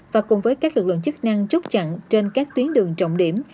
và cùng với các lực lượng chức năng chốt chặn trên các tuyến đường trọng điểm